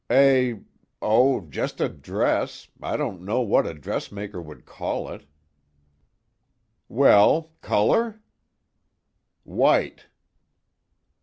"A oh, just a dress, I don't know what a dressmaker would call it." "Well color?" "White."